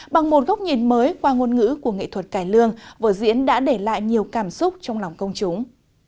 bằng một góc nhìn mới qua ngôn ngữ của nghệ thuật cải lương vở diễn đã để lại nhiều cảm xúc trong lòng công chúng